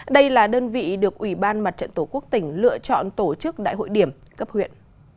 đây là đơn vị được ủy ban mặt trận tổ quốc tỉnh lựa chọn tổ chức đại hội điểm cấp huyện